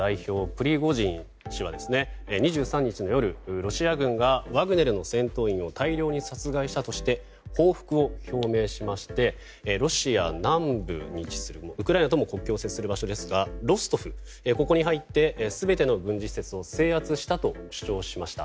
プリゴジン氏は２３日の夜、ロシア軍がワグネルの戦闘員を大量に殺害したとして報復を表明しましてロシア南部に位置するウクライナとも国境を接する場所ですがロストフに入って全ての軍事施設を制圧したと主張しました。